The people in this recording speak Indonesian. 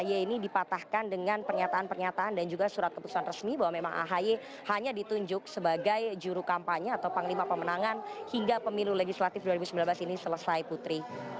ahy ini dipatahkan dengan pernyataan pernyataan dan juga surat keputusan resmi bahwa memang ahy hanya ditunjuk sebagai juru kampanye atau panglima pemenangan hingga pemilu legislatif dua ribu sembilan belas ini selesai putri